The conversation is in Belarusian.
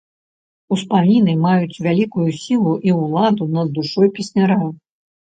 Успаміны маюць вялікую сілу і ўладу над душою песняра.